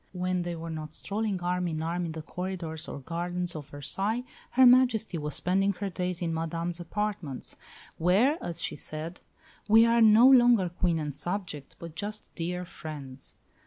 When they were not strolling arm in arm in the corridors or gardens of Versailles, Her Majesty was spending her days in Madame's apartments, where, as she said, "We are no longer Queen and subject, but just dear friends."